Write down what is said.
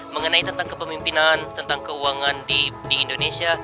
mengenai tentang kepemimpinan tentang keuangan di indonesia